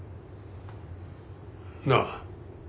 なあ。